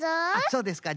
そうですか。